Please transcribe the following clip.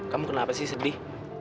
kamu kenapa sih sedih